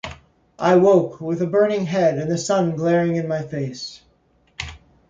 I woke with a burning head and the sun glaring in my face.